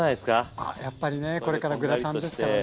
あやっぱりねこれからグラタンですからね。